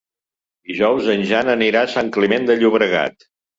Dijous en Jan anirà a Sant Climent de Llobregat.